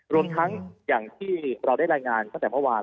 รวมทั้งอย่างที่เราได้รายงานตั้งแต่เมื่อวาน